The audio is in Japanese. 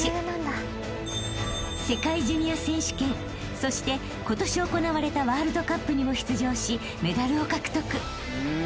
［世界ジュニア選手権そして今年行われたワールドカップにも出場しメダルを獲得］